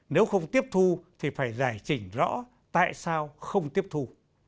nếu không tiếp thu thì phải giải chỉnh rõ tại sao không tiếp thu